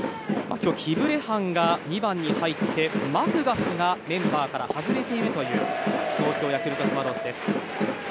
キブレハンが２番に入ってマクガフがメンバーから外れているという東京ヤクルトスワローズ。